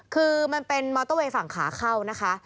คือมันเป็นมอเตอร์เวย์ฝั่งขาเข้านะคะ